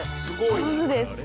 上手です。